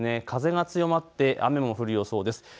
風が強まって雨も降る予想です。